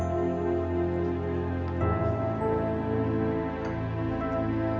timed apa sih ya